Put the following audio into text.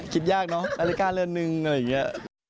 คิดยากเนอะนาฬิกาเรือนนึงอะไรอย่างนี้